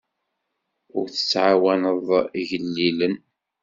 Ur tettɛawaneḍ igellilen.